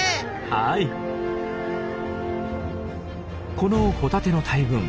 このホタテの大群。